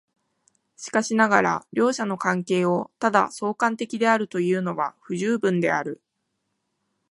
しかしながら両者の関係をただ相関的であるというのは不十分である。